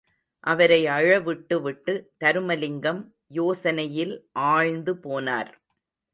அவரை அழவிட்டு விட்டு, தருமலிங்கம் யோசனையில் ஆழ்ந்து போனார்.